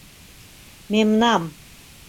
Мемнам...